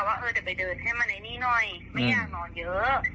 ว่าเออเดี๋ยวไปเดินเห้อมานานี้หน่อยไม่อยากนอนเยอะ